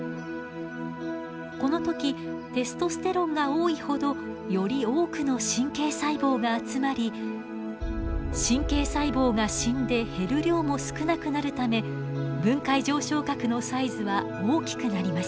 この時テストステロンが多いほどより多くの神経細胞が集まり神経細胞が死んで減る量も少なくなるため分界条床核のサイズは大きくなります。